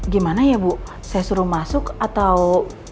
gimana ya bu saya suruh masuk atau